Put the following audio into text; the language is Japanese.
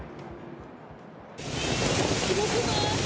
すごくない？